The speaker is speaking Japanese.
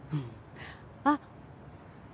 あっ！